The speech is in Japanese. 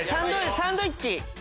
サンドイッチ。